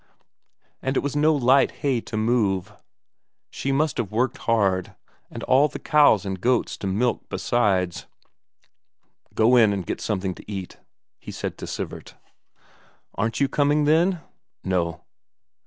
And it was no light hay to move; she must have worked hard, and all the cows and goats to milk besides.... "Go in and get something to eat," he said to Sivert. "Aren't you coming, then?" "No."